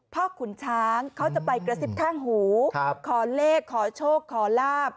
ขุนช้างเขาจะไปกระซิบข้างหูขอเลขขอโชคขอลาบ